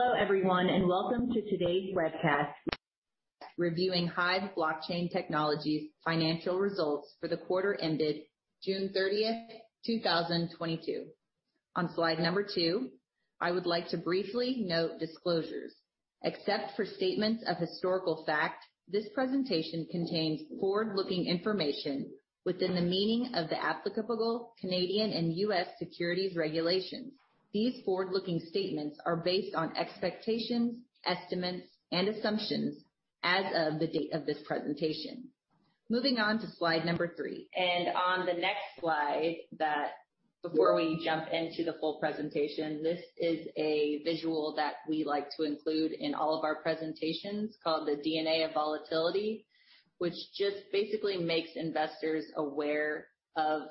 Hello everyone and welcome to today's webcast, Reviewing HIVE Digital Technologies' Financial Results for the quarter ended June 30th, 2022. On slide number two, I would like to briefly note disclosures. Except for statements of historical fact, this presentation contains forward-looking information within the meaning of the applicable Canadian and U.S. securities regulations. These forward-looking statements are based on expectations, estimates, and assumptions as of the date of this presentation. Moving on to slide number three. On the next slide, before we jump into the full presentation, this is a visual that we like to include in all of our presentations, called the DNA of Volatility, which just basically makes investors aware of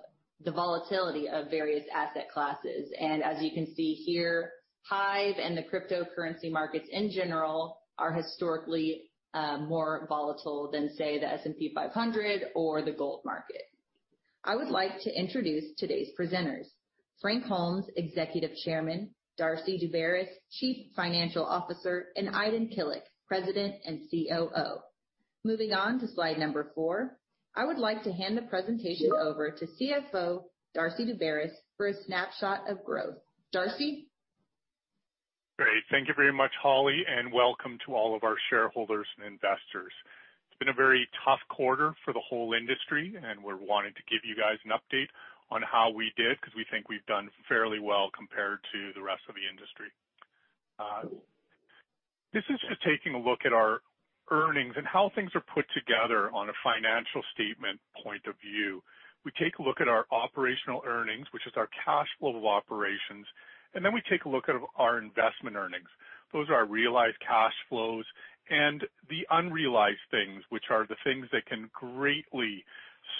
the volatility of various asset classes. As you can see here, HIVE and the cryptocurrency markets in general are historically more volatile than, say, the S&P 500 or the gold market. I would like to introduce today's presenters, Frank Holmes, Executive Chairman, Darcy Daubaras, Chief Financial Officer, and Aydin Kilic, President and COO. Moving on to slide number four. I would like to hand the presentation over to CFO Darcy Daubaras for a snapshot of growth. Darcy? Great. Thank you very much Holly and welcome to all of our shareholders and investors. It's been a very tough quarter for the whole industry, and we're wanting to give you guys an update on how we did because we think we've done fairly well compared to the rest of the industry. This is just taking a look at our earnings and how things are put together on a financial statement point of view. We take a look at our operational earnings, which is our cash flow of operations, and then we take a look at our investment earnings. Those are our realized cash flows and the unrealized things, which are the things that can greatly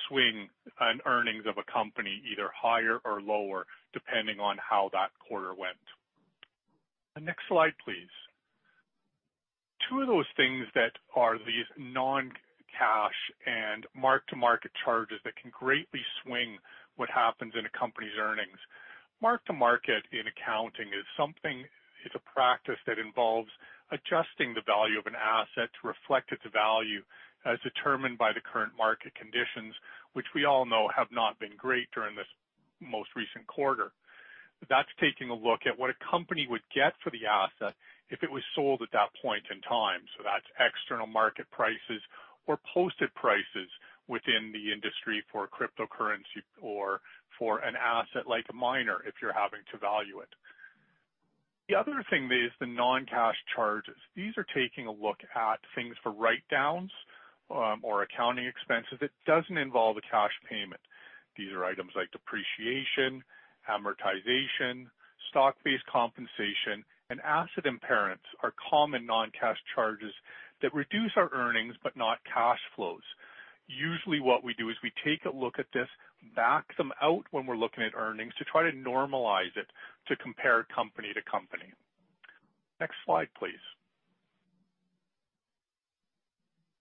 swing an earnings of a company, either higher or lower, depending on how that quarter went. Next slide, please. Two of those things that are these non-cash and mark-to-market charges that can greatly swing what happens in a Mark-to-Market in accounting is something, it's a practice that involves adjusting the value of an asset to reflect its value as determined by the current market conditions, which we all know have not been great during this most recent quarter. That's taking a look at what a company would get for the asset if it was sold at that point in time. That's external market prices or posted prices within the industry for a cryptocurrency or for an asset like a miner, if you're having to value it. The other thing is the non-cash charges. These are taking a look at things for write-downs, or accounting expenses. It doesn't involve a cash payment. These are items like depreciation, amortization, stock-based compensation, and asset impairments, are common non-cash charges that reduce our earnings but not cash flows. Usually, what we do is we take a look at this, back them out when we're looking at earnings to try to normalize it to compare company to company. Next slide, please.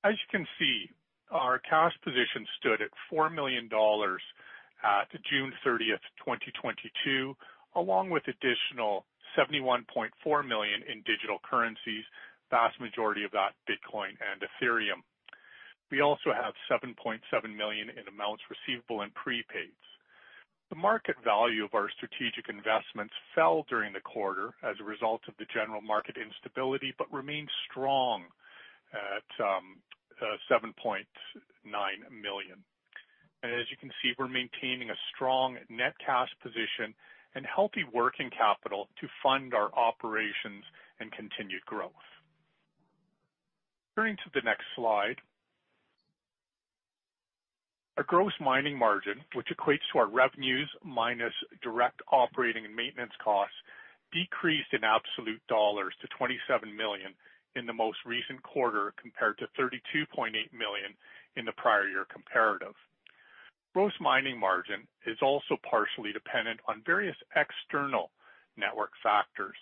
As you can see, our cash position stood at $4 million at June 30th, 2022, along with additional $71.4 million in digital currencies, vast majority of that Bitcoin and Ethereum. We also have $7.7 million in amounts receivable and prepaids. The market value of our strategic investments fell during the quarter as a result of the general market instability, but remains strong at $7.9 million. As you can see, we're maintaining a strong net cash position and healthy working capital to fund our operations and continued growth. Turning to the next slide. Our gross mining margin, which equates to our revenues minus direct operating and maintenance costs, decreased in absolute dollars to $27 million in the most recent quarter compared to $32.8 million in the prior year comparative. Gross mining margin is also partially dependent on various external network factors,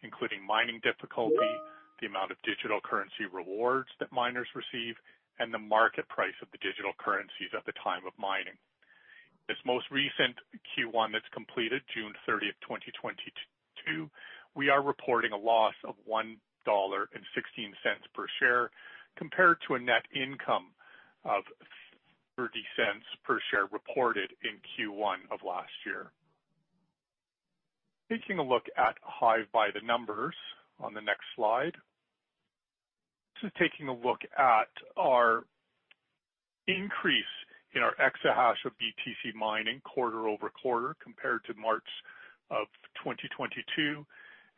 including mining difficulty, the amount of digital currency rewards that miners receive, and the market price of the digital currencies at the time of mining. This most recent Q1 that's completed June 30th, 2022, we are reporting a loss of $1.16 per share, compared to a net income of $0.30 per share reported in Q1 of last year. Taking a look at HIVE by the numbers on the next slide. This is taking a look at our increase in our Exahash of BTC mining quarter-over-quarter compared to March of 2022.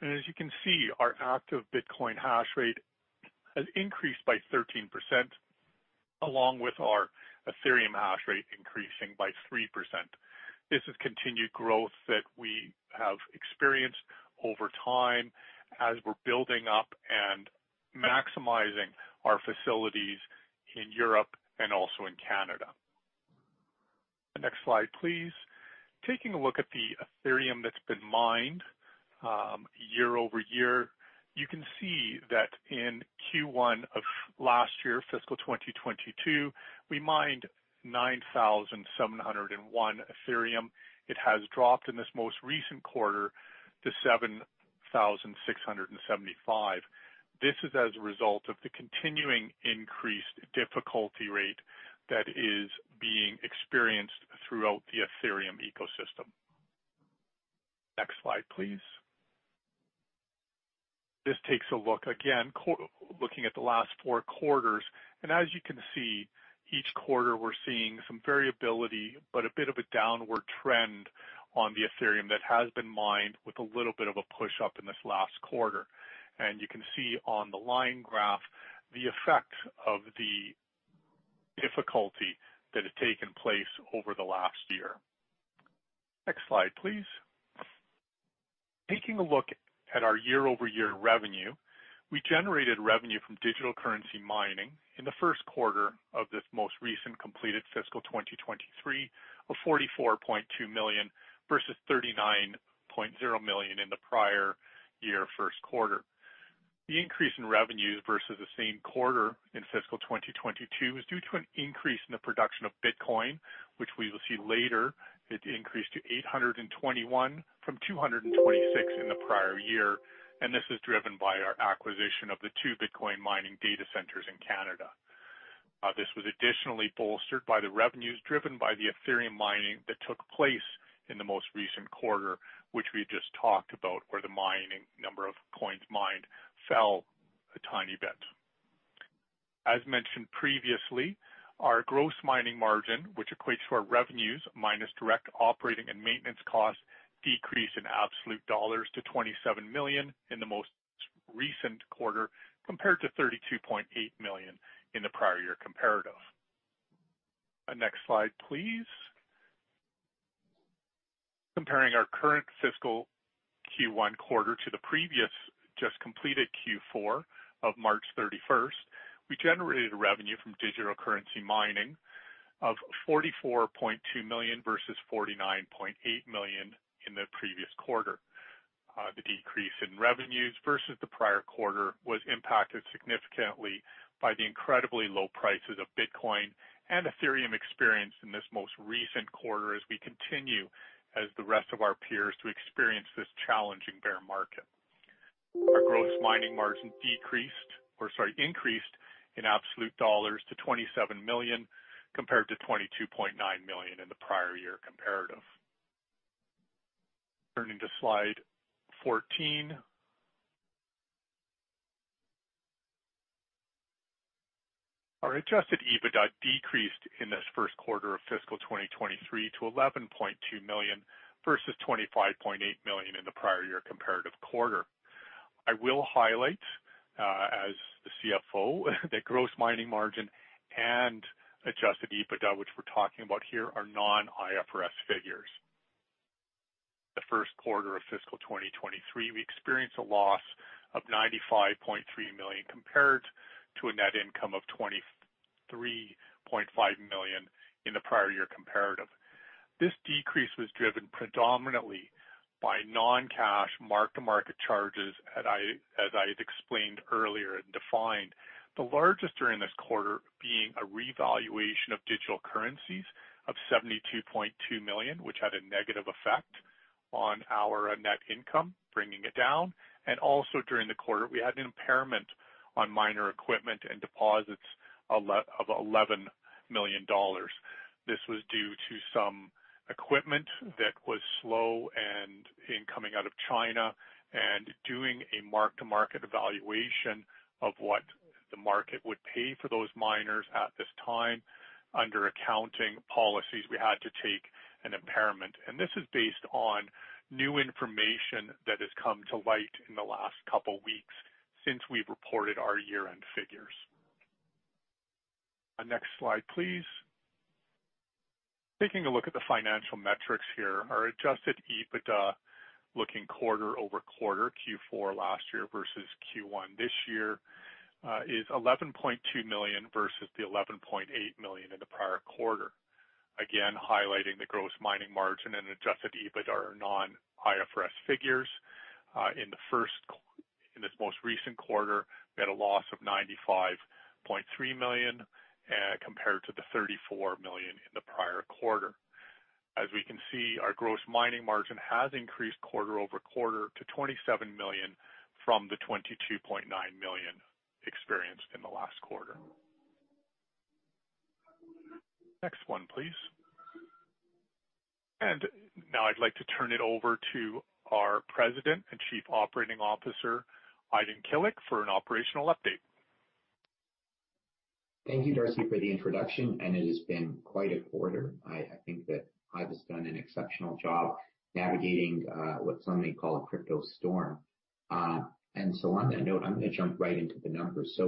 You can see, our active Bitcoin hash rate has increased by 13%, along with our Ethereum hash rate increasing by 3%. This is continued growth that we have experienced over time as we're building up and maximizing our facilities in Europe and also in Canada. Next slide, please. Taking a look at the Ethereum that's been mined, year-over-year, you can see that in Q1 of last year, fiscal 2022, we mined 9,701 Ethereum. It has dropped in this most recent quarter to 7,675. This is as a result of the continuing increased difficulty rate that is being experienced throughout the Ethereum ecosystem. Next slide, please. This takes a look again, looking at the last four quarters, and as you can see, each quarter we're seeing some variability, but a bit of a downward trend on the Ethereum that has been mined with a little bit of a push-up in this last quarter. You can see on the line graph the effect of the difficulty that has taken place over the last year. Next slide, please. Taking a look at our year-over-year revenue, we generated revenue from digital currency mining in the first quarter of this most recent completed fiscal 2023 of $44.2 million versus $39.0 million in the prior year first quarter. The increase in revenues versus the same quarter in fiscal 2022 is due to an increase in the production of Bitcoin, which we will see later. It increased to 821 from 226 in the prior year, and this is driven by our acquisition of the two Bitcoin mining data centers in Canada. This was additionally bolstered by the revenues driven by the Ethereum mining that took place in the most recent quarter, which we just talked about, where the mining number of coins mined fell a tiny bit. As mentioned previously, our gross mining margin, which equates to our revenues minus direct operating and maintenance costs, decreased in absolute dollars to $27 million in the most recent quarter, compared to $32.8 million in the prior year comparative. Next slide, please. Comparing our current fiscal Q1 quarter to the previous just completed Q4 of March 31st, we generated revenue from digital currency mining of $44.2 million versus $49.8 million in the previous quarter. The decrease in revenues versus the prior quarter was impacted significantly by the incredibly low prices of Bitcoin and Ethereum experienced in this most recent quarter as we continue as the rest of our peers to experience this challenging bear market. Our gross mining margin increased in absolute dollars to $27 million compared to $22.9 million in the prior year comparative. Turning to slide 14. Our Adjusted EBITDA decreased in this first quarter of fiscal 2023 to $11.2 million versus $25.8 million in the prior year comparative quarter. I will highlight, as the CFO, the gross mining margin and Adjusted EBITDA, which we're talking about here, are non-IFRS figures. The first quarter of fiscal 2023, we experienced a loss of $95.3 million compared to a net income of $23.5 million in the prior year comparative. This decrease was driven predominantly by non-cash mark-to-market charges, as I had explained earlier and defined, the largest during this quarter being a revaluation of digital currencies of $72.2 million, which had a negative effect on our net income, bringing it down. Also during the quarter, we had an impairment on miner equipment and deposits of $11 million. This was due to some equipment that was slow in coming out of China and doing a mark-to-market evaluation of what the market would pay for those miners at this time. Under accounting policies, we had to take an impairment. This is based on new information that has come to light in the last couple weeks since we've reported our year-end figures. Next slide, please. Taking a look at the financial metrics here, our Adjusted EBITDA looking quarter-over-quarter, Q4 last year versus Q1 this year, is 11.2 million versus the 11.8 million in the prior quarter. Again, highlighting the gross mining margin and Adjusted EBITDA are non-IFRS figures. In this most recent quarter, we had a loss of 95.3 million, compared to the 34 million in the prior quarter. As we can see, our gross mining margin has increased quarter-over-quarter to 27 million from the 22.9 million experienced in the last quarter. Next one, please. Now I'd like to turn it over to our President and Chief Operating Officer, Aydin Kilic, for an operational update. Thank you Darcy for the introduction and it has been quite a quarter. I think that HIVE has done an exceptional job navigating what some may call a crypto storm. On that note, I'm gonna jump right into the numbers.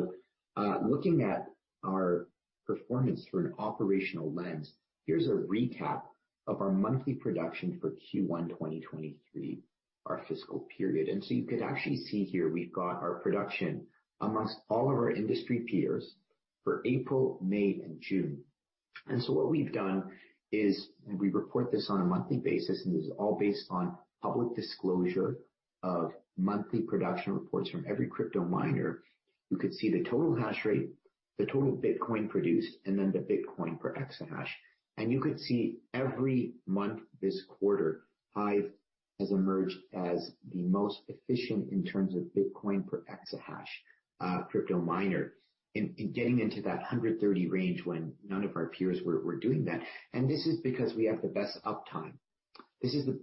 Looking at our performance through an operational lens, here's a recap of our monthly production for Q1 2023, our fiscal period. You can actually see here we've got our production amongst all of our industry peers for April, May, and June. What we've done is we report this on a monthly basis, and this is all based on public disclosure of monthly production reports from every crypto miner. You could see the total hash rate, the total Bitcoin produced, and then the Bitcoin per exahash. You could see every month this quarter, HIVE has emerged as the most efficient in terms of Bitcoin per exahash, crypto miner in getting into that 130 range when none of our peers were doing that. This is because we have the best uptime.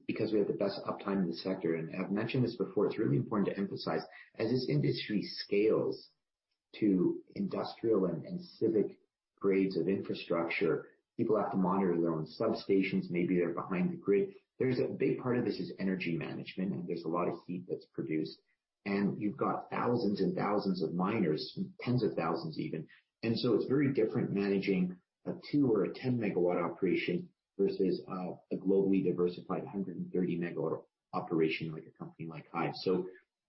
Because we have the best uptime in the sector and I've mentioned this before it's really important to emphasize as this industry scales to industrial and gigawatt grades of infrastructure, people have to monitor their own substations. Maybe they're behind the grid. Big part of this is energy management, and there's a lot of heat that's produced. You've got thousands and thousands of miners, tens of thousands even. It's very different managing a two or a 10 MW operation versus a globally diversified 130 MW operation like a company like HIVE.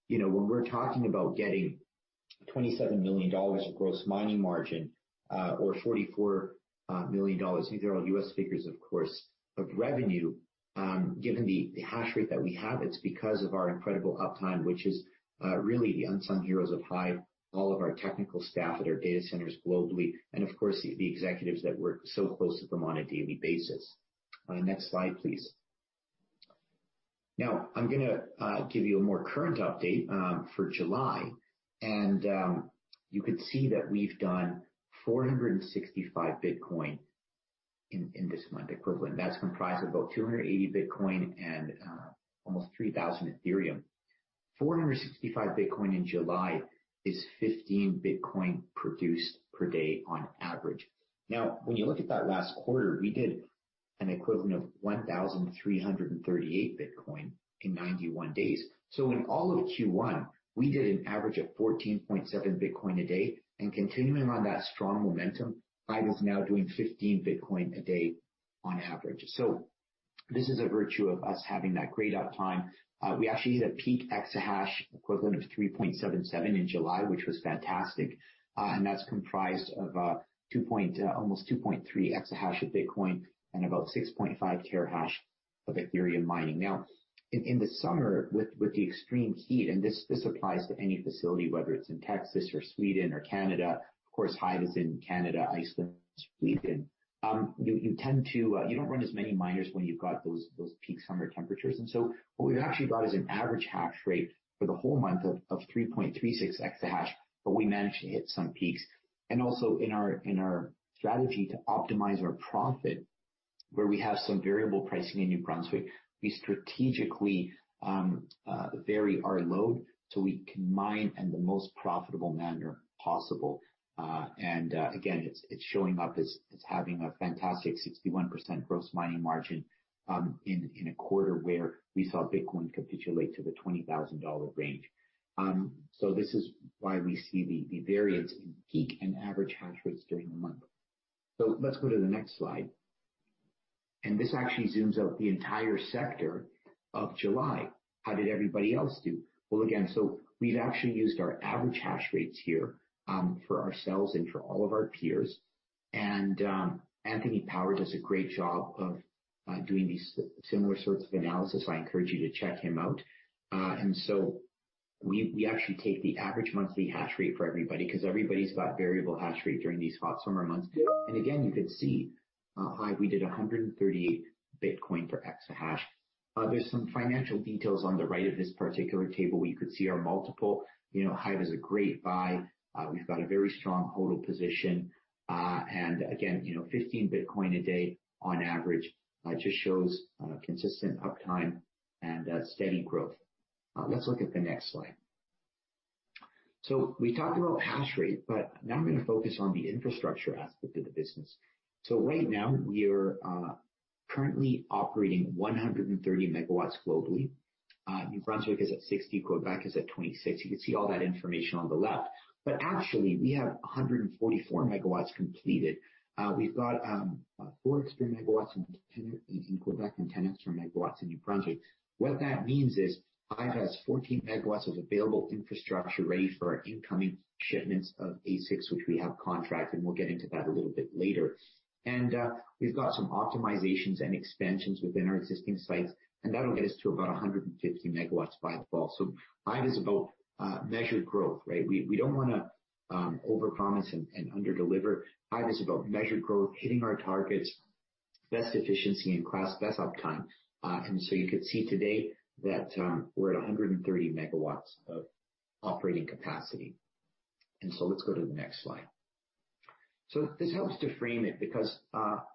You know, when we're talking about getting $27 million of gross mining margin or $44 million, these are all U.S. figures, of course, of revenue, given the hash rate that we have, it's because of our incredible uptime, which is really the unsung heroes of HIVE, all of our technical staff at our data centers globally and of course, the executives that work so close to them on a daily basis. Next slide, please. Now I'm gonna give you a more current update for July. You could see that we've done 465 Bitcoin in this month equivalent. That's comprised of about 280 Bitcoin and almost 3,000 Ethereum. 465 Bitcoin in July is 15 Bitcoin produced per day on average. Now, when you look at that last quarter, we did an equivalent of 1,338 Bitcoin in 91 days. In all of Q1, we did an average of 14.7 Bitcoin a day. Continuing on that strong momentum, HIVE is now doing 15 Bitcoin a day on average. This is a virtue of us having that great uptime. We actually hit a peak exahash equivalent of 3.77 in July, which was fantastic. That's comprised of almost 2.3 exahash of Bitcoin and about 6.5 terahash of Ethereum mining. Now, in the summer with the extreme heat, and this applies to any facility, whether it's in Texas or Sweden or Canada, of course, HIVE is in Canada, Iceland, Sweden, you don't run as many miners when you've got those peak summer temperatures. What we've actually got is an average hash rate for the whole month of 3.36 exahash, but we managed to hit some peaks. In our strategy to optimize our profit, where we have some variable pricing in New Brunswick, we strategically vary our load so we can mine in the most profitable manner possible. Again, it's showing up as having a fantastic 61% gross mining margin in a quarter where we saw Bitcoin capitulate to the $20,000 range. This is why we see the variance in peak and average hash rates during the month. Let's go to the next slide. This actually zooms out the entire sector of July. How did everybody else do? Well, again, we've actually used our average hash rates here for ourselves and for all of our peers. Anthony Pomp's does a great job of doing these similar sorts of analysis. I encourage you to check him out. We actually take the average monthly hash rate for everybody 'cause everybody's got variable hash rate during these hot summer months. You could see, HIVE, we did 138 Bitcoin per exahash. There's some financial details on the right of this particular table. We could see our multiple. You know, HIVE is a great buy. We've got a very strong hold of position, and again, you know, 15 Bitcoin a day on average just shows consistent uptime and steady growth. Let's look at the next slide. We talked about hash rate, but now I'm gonna focus on the infrastructure aspect of the business. Right now we are currently operating 130 MW globally. New Brunswick is at 60, Quebec is at 26. You can see all that information on the left. Actually, we have 144 MW completed. We've got 4 MW existing in Quebec and 10 MW existing in New Brunswick. What that means is HIVE has 14 MW of available infrastructure ready for incoming shipments of ASICs, which we have contracted, and we'll get into that a little bit later. We've got some optimizations and expansions within our existing sites, and that'll get us to about 150 MW by the fall. HIVE is about measured growth, right? We don't wanna overpromise and underdeliver. HIVE is about measured growth, hitting our targets, best efficiency in class, best uptime. You could see today that we're at 130 MW of operating capacity. Let's go to the next slide. This helps to frame it because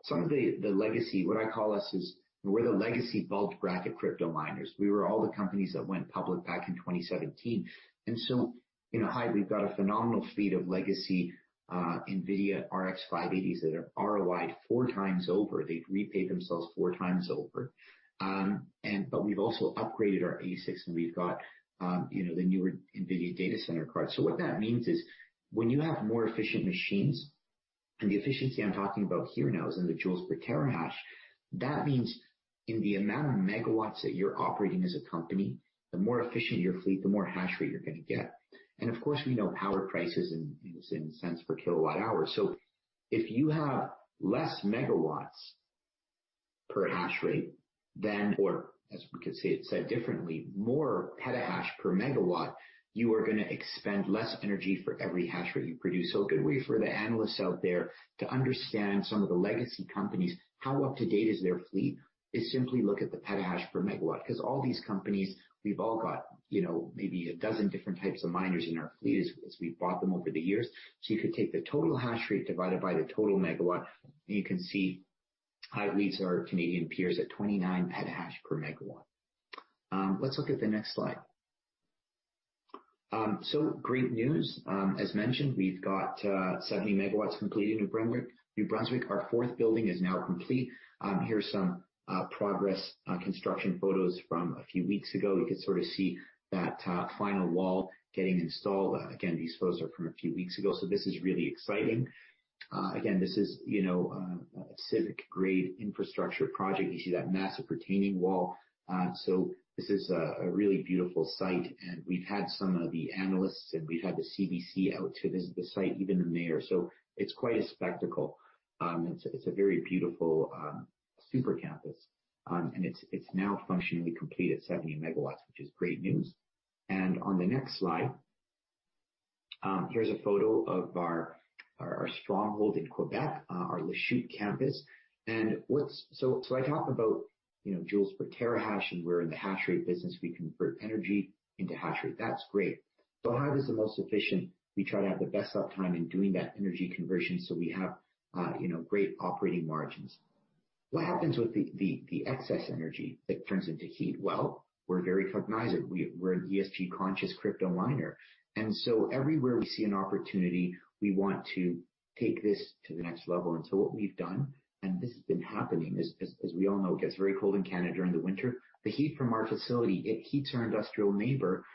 some of the legacy, what I call us is we're the legacy bulge bracket crypto miners. We were all the companies that went public back in 2017. You know, HIVE, we've got a phenomenal fleet of legacy AMD RX 580s that are ROI'd 4x over. They've repaid themselves 4x over. But we've also upgraded our ASICs, and we've got you know, the newer NVIDIA data center cards. What that means is, when you have more efficient machines, and the efficiency I'm talking about here now is in the J/TH, that means in the amount of MW that you're operating as a company, the more efficient your fleet, the more hash rate you're gonna get. Of course, we know power prices in, you know, is in cents per kWh. If you have less MW per hash rate then or as we could say it differently, more PH/MW, you are gonna expend less energy for every hash rate you produce. A good way for the analysts out there to understand some of the legacy companies, how up to date is their fleet, is simply look at the PH/MW. Because all these companies, we've all got, you know, maybe a dozen different types of miners in our fleet as we've bought them over the years. You could take the total hash rate divided by the total MW, and you can see HIVE leads our Canadian peers at 29 PH/MW. Let's look at the next slide. Great news, as mentioned, we've got 70 MW completed in New Brunswick. Our fourth building is now complete. Here's some progress on construction photos from a few weeks ago. You could sort of see that final wall getting installed. Again, these photos are from a few weeks ago, so this is really exciting. Again, this is, you know, a civic grade infrastructure project. You see that massive retaining wall. This is a really beautiful site, and we've had some of the analysts and we've had the CBC out to visit the site, even the mayor. It's quite a spectacle. It's a very beautiful super campus. It's now functionally complete at 70 MW, which is great news. On the next slide, here's a photo of our stronghold in Quebec, our Lachute campus. I talk about, you know, J/TH, and we're in the hash rate business. We convert energy into hash rate. That's great. HIVE is the most efficient. We try to have the best uptime in doing that energy conversion, so we have, you know, great operating margins. What happens with the excess energy that turns into heat? Well, we're very conscious. We're an ESG conscious crypto miner. Everywhere we see an opportunity, we want to take this to the next level. What we've done, and this has been happening, as we all know, it gets very cold in Canada during the winter. The heat from our facility, it heats our industrial neighbor.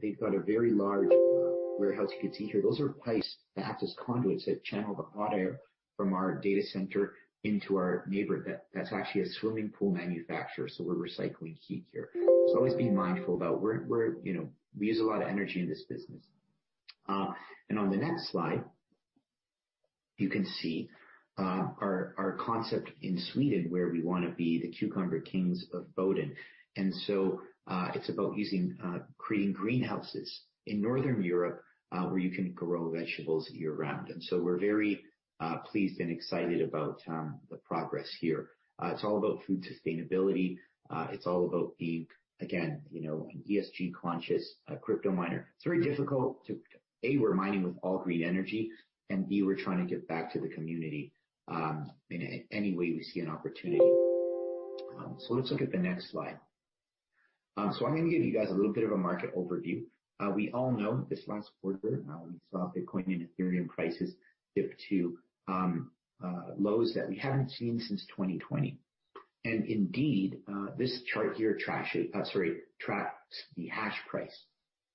They've got a very large warehouse you can see here. Those are pipes that act as conduits that channel the hot air from our data center into our neighbor. That's actually a swimming pool manufacturer, so we're recycling heat here. Always be mindful about. We're, you know, we use a lot of energy in this business. On the next slide, you can see our concept in Sweden, where we wanna be the cucumber kings of Boden. It's about creating greenhouses in Northern Europe, where you can grow vegetables year-round. We're very pleased and excited about the progress here. It's all about food sustainability. It's all about being, again, you know, an ESG conscious crypto miner. It's very difficult. A, we're mining with all green energy, and B, we're trying to give back to the community, in any way we see an opportunity. Let's look at the next slide. I'm gonna give you guys a little bit of a market overview. We all know this last quarter, we saw Bitcoin and Ethereum prices dip to lows that we haven't seen since 2020. Indeed, this chart here tracks the hashprice.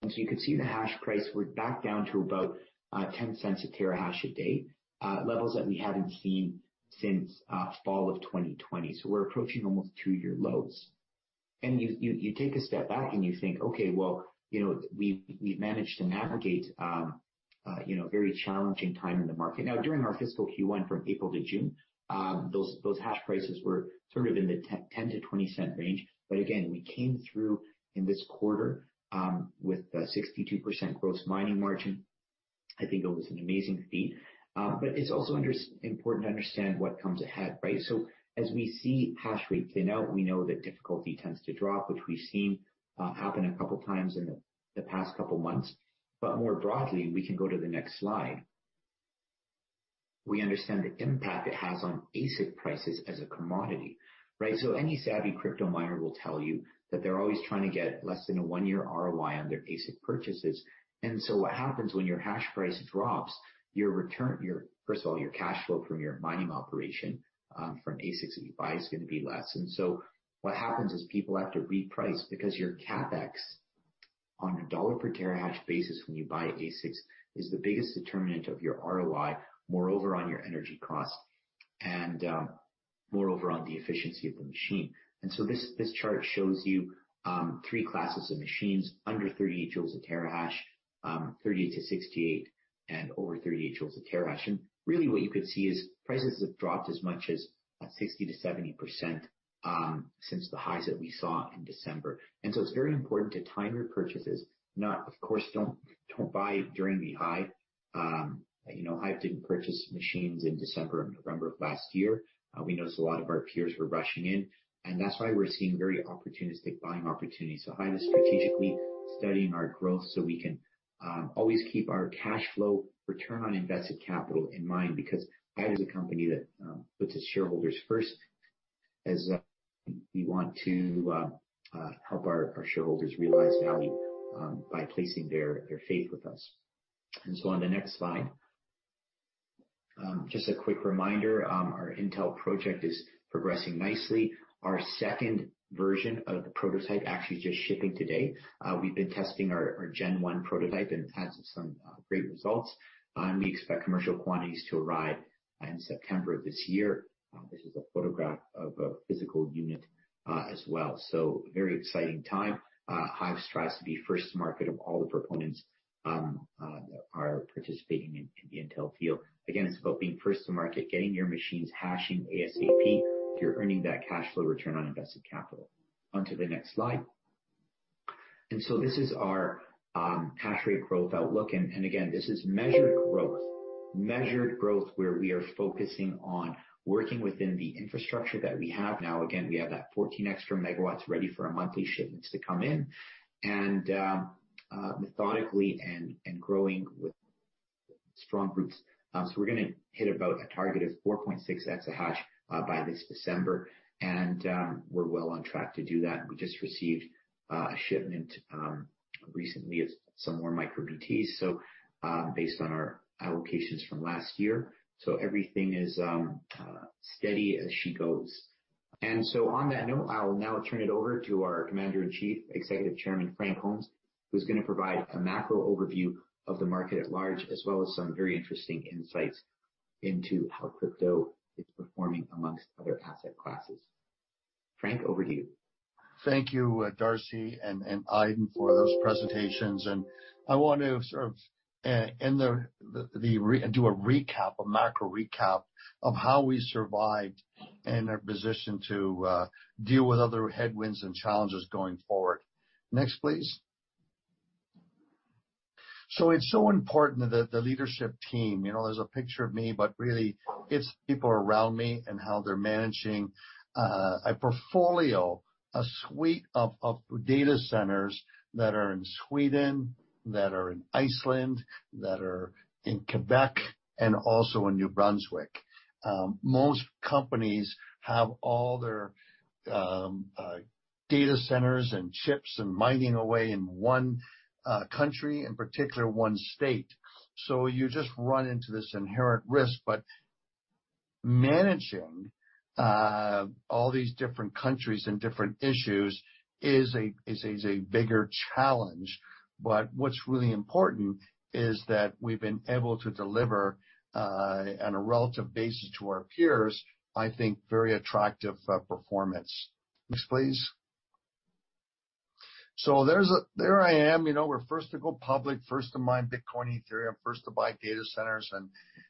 You can see the hashprice, we're back down to about $0.10 a terahash a day, levels that we haven't seen since fall of 2020. We're approaching almost two-year lows. You take a step back and you think, okay, well, you know, we've managed to navigate, you know, a very challenging time in the market. Now, during our fiscal Q1 from April to June, those hash prices were sort of in the $0.10-$0.20 range. But again, we came through in this quarter, with a 62% gross mining margin. I think it was an amazing feat. But it's also important to understand what comes ahead, right? So as we see hash rates thin out, we know that difficulty tends to drop, which we've seen, happen a couple times in the past couple months. But more broadly, we can go to the next slide. We understand the impact it has on ASIC prices as a commodity, right? Any savvy crypto miner will tell you that they're always trying to get less than a one-year ROI on their ASIC purchases. What happens when your hash price drops, first of all, your cash flow from your mining operation from ASICs that you buy is gonna be less. What happens is people have to reprice because your CapEx on a $ per terahash basis when you buy ASICs is the biggest determinant of your ROI, moreover on your energy cost, and moreover on the efficiency of the machine. This chart shows you three classes of machines under 38 J/TH, 30-68 and over 38 J/TH. Really what you could see is prices have dropped as much as 60%-70% since the highs that we saw in December. It's very important to time your purchases. Of course, don't buy during the high. You know, HIVE didn't purchase machines in December or November of last year. We noticed a lot of our peers were rushing in, and that's why we're seeing very opportunistic buying opportunities. HIVE is strategically studying our growth so we can always keep our cash flow return on invested capital in mind because HIVE is a company that puts its shareholders first as we want to help our shareholders realize value by placing their faith with us. On the next slide. Just a quick reminder, our Intel project is progressing nicely. Our second version of the prototype actually just shipping today. We've been testing our Gen One prototype, and it has some great results. We expect commercial quantities to arrive in September of this year. This is a photograph of a physical unit, as well. Very exciting time. HIVE strives to be first to market of all the proponents that are participating in the Intel field. Again, it's about being first to market, getting your machines hashing ASAP. You're earning that cash flow return on invested capital. Onto the next slide. This is our hash rate growth outlook. Again, this is measured growth where we are focusing on working within the infrastructure that we have. Now, again, we have that 14 extra megawatts ready for our monthly shipments to come in and methodically and growing with strong growth. We're gonna hit about a target of 4.6 exahash by this December, and we're well on track to do that. We just received a shipment recently of some more MicroBTs, so based on our allocations from last year. Everything is steady as she goes. On that note, I will now turn it over to our Commander-in-Chief, Executive Chairman Frank Holmes, who's gonna provide a macro overview of the market at large, as well as some very interesting insights into how crypto is performing among other asset classes. Frank, over to you. Thank you Darcy and Aydin for those presentations. I want to sort of do a recap, a macro recap of how we survived and are positioned to deal with other headwinds and challenges going forward. Next, please. It's so important that the leadership team, you know, there's a picture of me, but really it's people around me and how they're managing a portfolio, a suite of data centers that are in Sweden, that are in Iceland, that are in Quebec, and also in New Brunswick. Most companies have all their data centers and chips and mining away in one country, in particular one state. You just run into this inherent risk. Managing all these different countries and different issues is a bigger challenge. What's really important is that we've been able to deliver on a relative basis to our peers. I think very attractive performance. Next, please. There I am. You know, we're first to go public, first to mine Bitcoin, Ethereum, first to buy data centers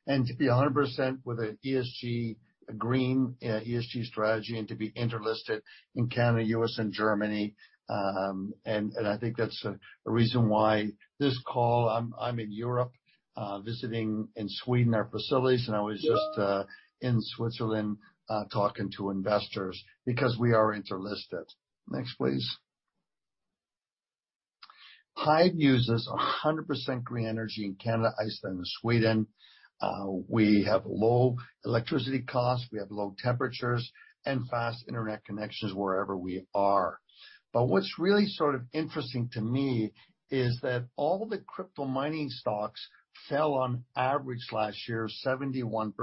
and to be 100% with an ESG green ESG strategy and to be interlisted in Canada, U.S. and Germany. I think that's a reason why this call. I'm in Europe visiting in Sweden our facilities, and I was just in Switzerland talking to investors because we are interlisted. Next, please. HIVE uses 100% green energy in Canada, Iceland, and Sweden. We have low electricity costs, we have low temperatures and fast internet connections wherever we are. What's really sort of interesting to me is that all the crypto mining stocks fell on average last year, 71%.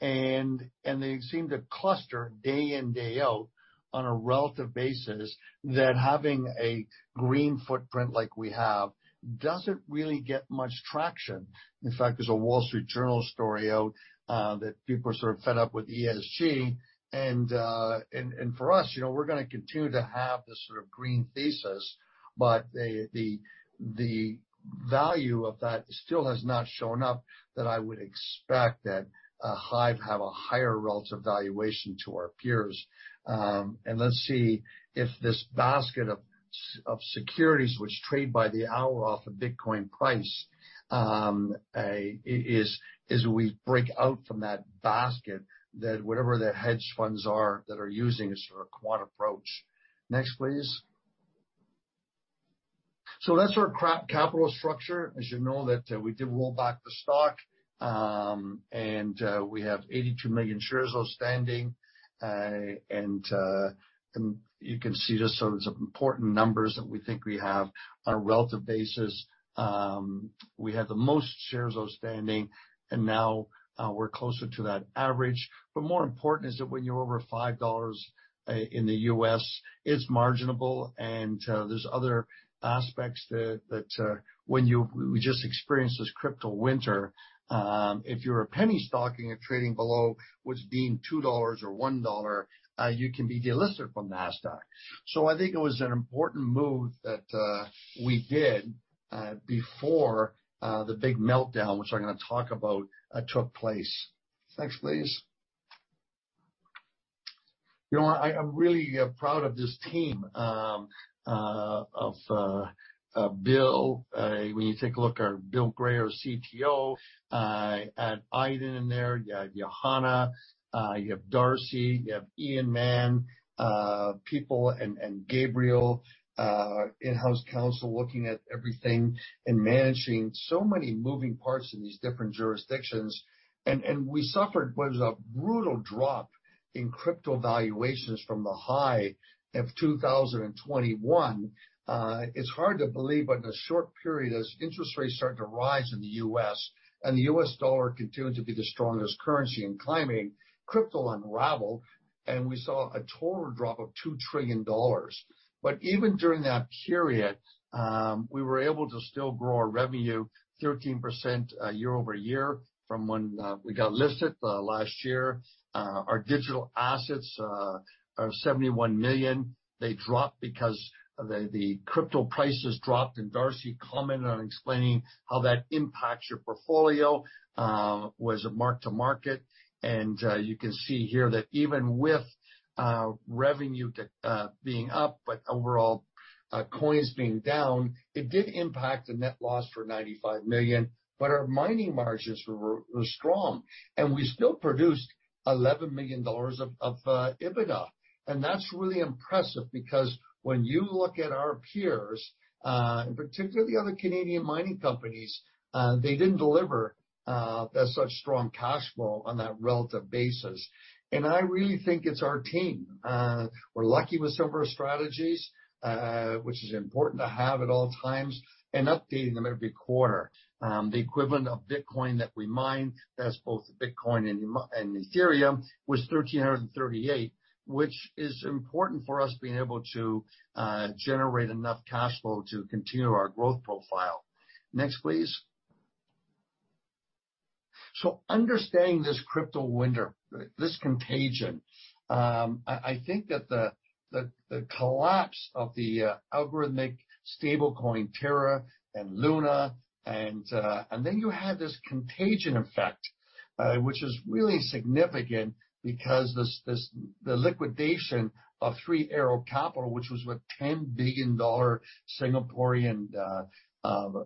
They seem to cluster day in, day out on a relative basis that having a green footprint like we have doesn't really get much traction. In fact, there's a Wall Street Journal story out that people are sort of fed up with ESG. For us, you know, we're gonna continue to have this sort of green thesis, but the value of that still has not shown up that I would expect that HIVE has a higher relative valuation to our peers. Let's see if this basket of securities which trade by the hour off of Bitcoin price is as we break out from that basket, that whatever the hedge funds are that are using a sort of quant approach. Next, please. That's our capital structure. As you know that we did roll back the stock and we have 82 million shares outstanding. You can see just some of the important numbers that we think we have on a relative basis. We have the most shares outstanding, and now we're closer to that average. More important is that when you're over $5 in the U.S., it's marginable and there's other aspects that when we just experienced this crypto winter, if you're a penny stock and you're trading below what's being $2 or $1, you can be delisted from Nasdaq. I think it was an important move that we did before the big meltdown, which I'm gonna talk about, took place. Next, please. You know what? I'm really proud of this team of Bill. When you take a look at our Bill Gray, our CTO, add Aydin in there, you add Johanna, you have Darcy, you have Ian Mann, people and Gabriel, in-house counsel looking at everything and managing so many moving parts in these different jurisdictions. We suffered what is a brutal drop in crypto valuations from the high of 2021. It's hard to believe, but in a short period, as interest rates started to rise in the U.S., and the U.S. dollar continued to be the strongest currency and climbing, crypto unraveled, and we saw a total drop of $2 trillion. Even during that period, we were able to still grow our revenue 13% year-over-year from when we got listed last year. Our digital assets are 71 million. They dropped because the crypto prices dropped. Darcy commented on explaining how that impacts your portfolio was a mark-to-market. You can see here that even with revenue being up, but overall coins being down, it did impact the net loss for $95 million, but our mining margins were strong. We still produced $11 million of EBITDA. That's really impressive because when you look at our peers and particularly other Canadian mining companies, they didn't deliver such strong cash flow on that relative basis. I really think it's our team. We're lucky with some of our strategies, which is important to have at all times, and updating them every quarter. The equivalent of Bitcoin that we mine, that's both the Bitcoin and Ethereum, was 1,338, which is important for us being able to generate enough cash flow to continue our growth profile. Next, please. Understanding this crypto winter, this contagion, I think that the collapse of the algorithmic stablecoin Terra and LUNA and then you had this contagion effect, which is really significant because the liquidation of Three Arrows Capital, which was a $10 billion Singaporean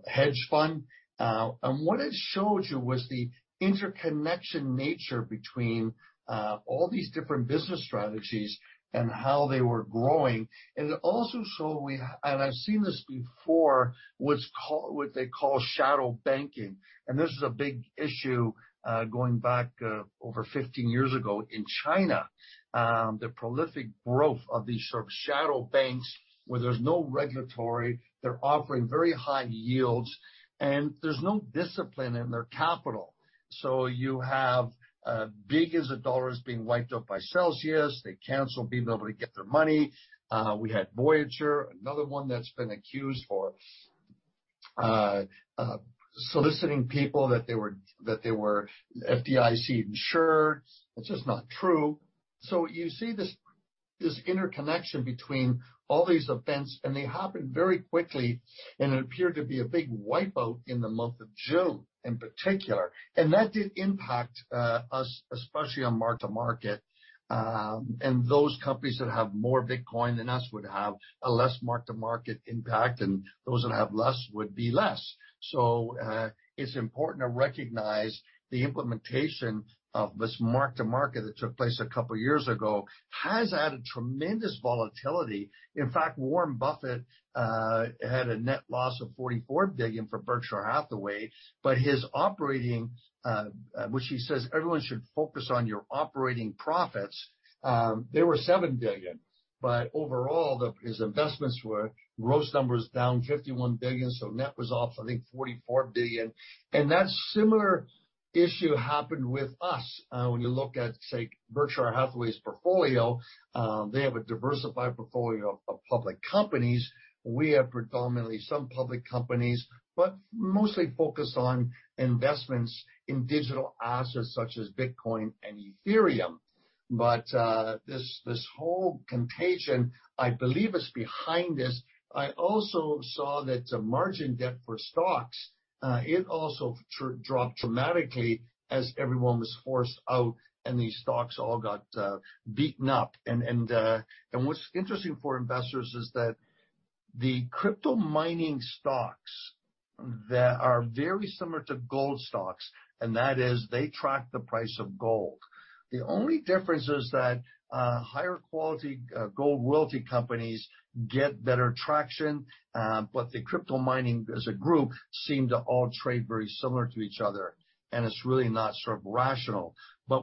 hedge fund. What it showed you was the interconnected nature between all these different business strategies and how they were growing. It also showed, and I've seen this before, what they call shadow banking. This is a big issue, going back over 15 years ago in China. The prolific growth of these sort of shadow banks where there's no regulation, they're offering very high yields, and there's no discipline in their capital. You have billions of dollars being wiped out by Celsius. They canceled being able to get their money. We had Voyager, another one that's been accused of soliciting people that they were FDIC insured, which is not true. You see this interconnection between all these events, and they happened very quickly, and it appeared to be a big wipe out in the month of June, in particular. That did impact us, especially on mark-to-market. Those companies that have more Bitcoin than us would have a less mark-to-market impact, and those that have less would be less. It's important to recognize the implementation of this mark-to-market that took place a couple of years ago has added tremendous volatility. In fact, Warren Buffett had a net loss of $44 billion for Berkshire Hathaway, but his operating, which he says everyone should focus on your operating profits, they were $7 billion. Overall, his investments were gross numbers down $51 billion, so net was off, I think, $44 billion. That similar issue happened with us. When you look at, say, Berkshire Hathaway's portfolio, they have a diversified portfolio of public companies. We have predominantly some public companies, but mostly focused on investments in digital assets such as Bitcoin and Ethereum. This whole contagion, I believe is behind us. I also saw that the margin debt for stocks, it also dropped dramatically as everyone was forced out and these stocks all got beaten up. What's interesting for investors is that the crypto mining stocks that are very similar to gold stocks, and that is they track the price of gold. The only difference is that higher quality gold royalty companies get better traction, but the crypto mining as a group seem to all trade very similar to each other, and it's really not sort of rational.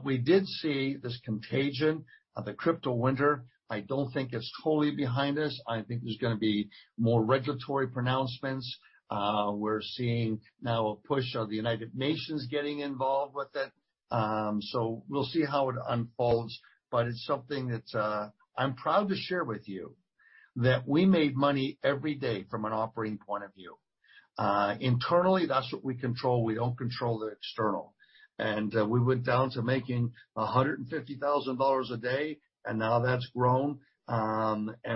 We did see this contagion of the crypto winter. I don't think it's totally behind us. I think there's gonna be more regulatory pronouncements. We're seeing now a push of the United Nations getting involved with it. We'll see how it unfolds, but it's something that I'm proud to share with you that we made money every day from an operating point of view. Internally, that's what we control. We don't control the external. We went down to making $150,000 a day, and now that's grown.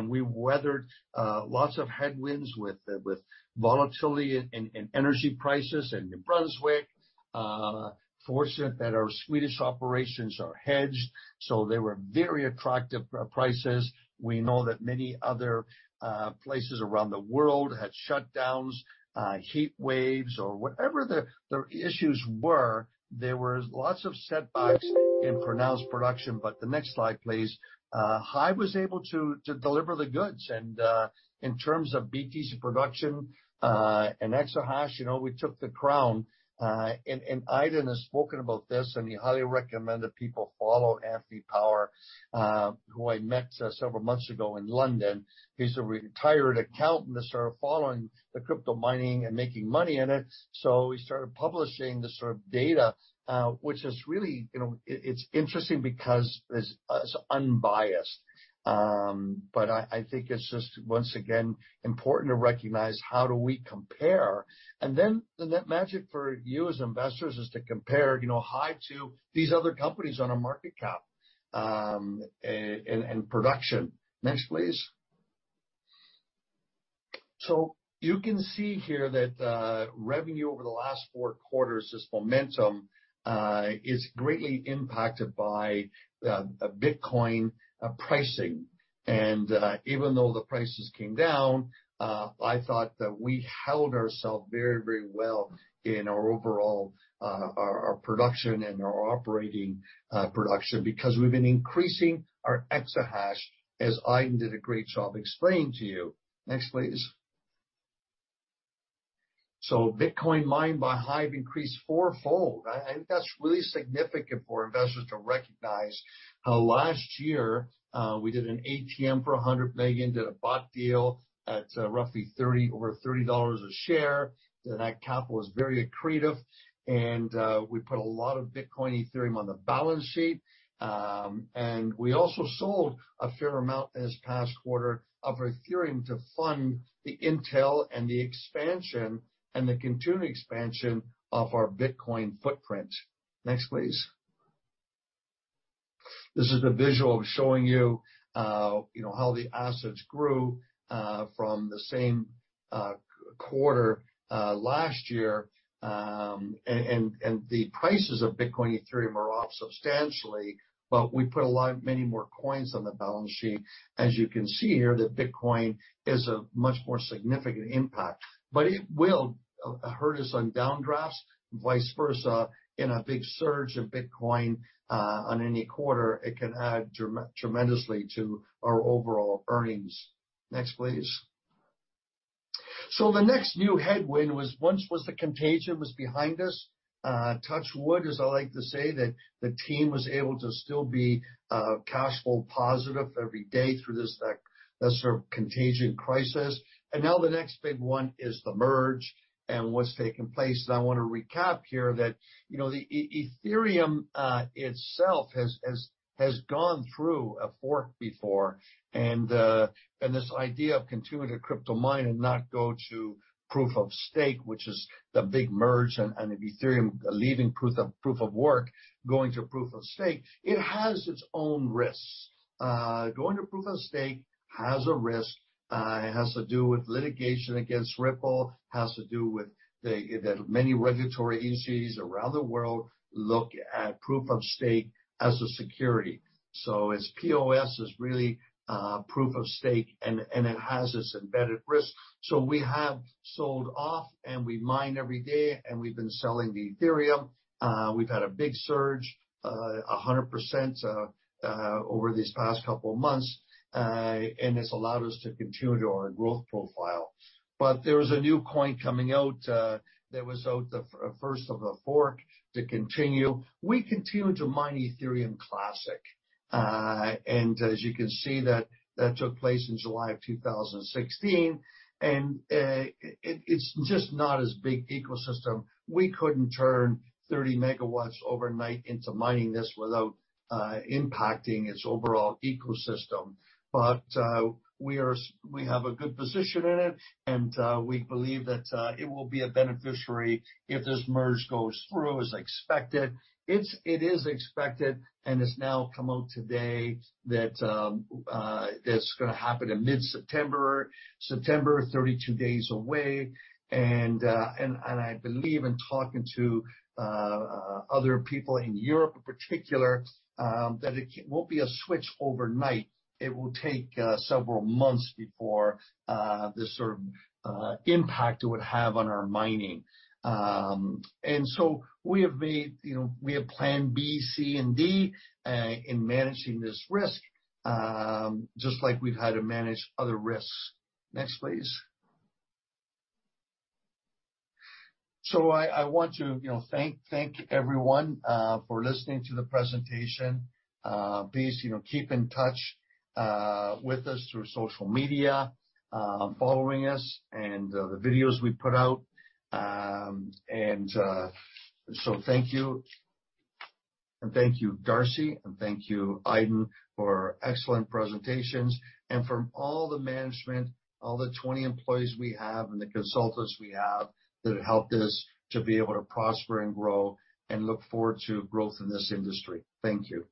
We weathered lots of headwinds with volatility in energy prices in New Brunswick. Fortunate that our Swedish operations are hedged, so they were very attractive prices. We know that many other places around the world had shutdowns, heat waves or whatever the issues were. There were lots of setbacks in our production. The next slide, please. HIVE was able to deliver the goods. In terms of BTC production and exahash, you know, we took the crown. Aydin has spoken about this, and he highly recommend that people follow Anthony Pompliano, who I met several months ago in London. He's a retired accountant that started following the crypto mining and making money in it. He started publishing this sort of data, which is really interesting because it's unbiased. But I think it's just, once again, important to recognize how we compare. The neat metric for you as investors is to compare HIVE to these other companies on a market cap and production. Next, please. You can see here that revenue over the last four quarters, this momentum is greatly impacted by Bitcoin pricing. Even though the prices came down, I thought that we held ourselves very well in our overall production and our operating production, because we've been increasing our exahash, as Aydin did a great job explaining to you. Next, please. Bitcoin mined by HIVE increased fourfold. I think that's really significant for investors to recognize how last year we did an ATM for $100 million, did a bought deal at roughly $30, over $30 a share. That capital was very accretive and we put a lot of Bitcoin Ethereum on the balance sheet. We also sold a fair amount in this past quarter of Ethereum to fund the Intel and the expansion and the continued expansion of our Bitcoin footprint. Next, please. This is a visual showing you know, how the assets grew from the same quarter last year. The prices of Bitcoin Ethereum are off substantially, but we put a lot of many more coins on the balance sheet. As you can see here, that Bitcoin is a much more significant impact, but it will hurt us on downdrafts, vice versa in a big surge of Bitcoin on any quarter, it can add tremendously to our overall earnings. Next, please. The next new headwind was once the contagion was behind us, touch wood, as I like to say that the team was able to still be cash flow positive every day through this, that sort of contagion crisis. Now the next big one is the merge and what's taking place. I wanna recap here that, you know, the Ethereum itself has gone through a fork before and this idea of continuing to crypto mine and not go to proof of stake, which is the big merge and Ethereum leaving proof of work, going to proof of stake. It has its own risks. Going to proof of stake has a risk, it has to do with litigation against Ripple. It has to do with the many regulatory agencies around the world look at proof of stake as a security. As PoS is really proof of stake and it has its embedded risk. We have sold off and we mine every day, and we've been selling the Ethereum. We've had a big surge, 100% over these past couple of months, and it's allowed us to continue to our growth profile. There is a new coin coming out, that was out the first of the fork to continue. We continue to mine Ethereum Classic. As you can see that took place in July of 2016, and it's just not as big ecosystem. We couldn't turn 30 MW overnight into mining this without impacting its overall ecosystem. We have a good position in it, and we believe that it will be a beneficiary if this merge goes through as expected. It is expected and has now come out today that it's gonna happen in mid-September. September, 32 days away. I believe in talking to other people in Europe in particular, that it won't be a switch overnight. It will take several months before the sort of impact it would have on our mining. We have made, you know, we have plan B, C, and D in managing this risk, just like we've had to manage other risks. Next, please. I want to, you know, thank everyone for listening to the presentation. Please, you know, keep in touch with us through social media, following us and the videos we put out. Thank you. Thank you, Darcy, and thank you, Aydin, for excellent presentations. From all the management, all the 20 employees we have and the consultants we have that have helped us to be able to prosper and grow and look forward to growth in this industry. Thank you.